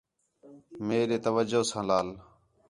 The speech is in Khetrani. میݙے توجہ ساں لال